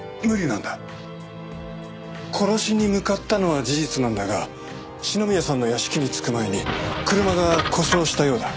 殺しに向かったのは事実なんだが篠宮さんの屋敷に着く前に車が故障したようだ。